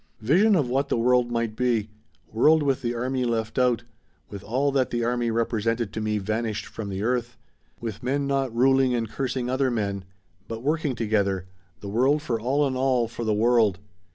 "Vision of what the world might be world with the army left out, with all that the army represented to me vanished from the earth. With men not ruling and cursing other men; but working together the world for all and all for the world.